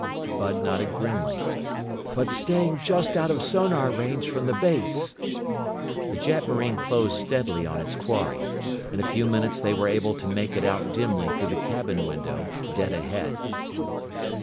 Bud nodded grimly. "But staying just out of sonar range from the base." The jetmarine closed steadily on its quarry. In a few minutes they were able to make it out dimly through the cabin window, dead ahead.